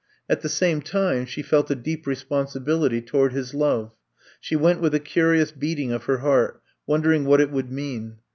At the same time she felt a deep responsibility toward his love. She went with a curious beating of her heart, won dering what it would mean.